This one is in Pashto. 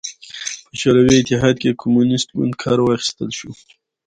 په شوروي اتحاد کې د کمونېست ګوند کار واخیستل شو.